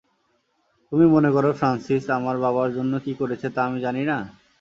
তুমি মনে করো ফ্রানসিস আমার বাবার জন্য কি করেছে তা আমি জানিনা?